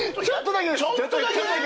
ちょっとだけはい。